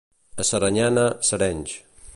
A Saranyana, serenys.